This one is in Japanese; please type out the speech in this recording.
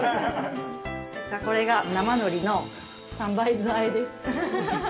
これが生のりの三杯酢あえです。